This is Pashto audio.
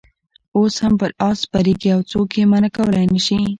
اوس هم پر آس سپرېږي او څوک یې منع کولای نه شي.